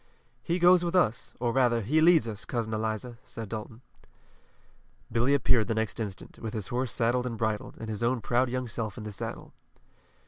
"He goes with us, or rather he leads us, Cousin Eliza," said Dalton. Billy appeared the next instant, with his horse saddled and bridled, and his own proud young self in the saddle.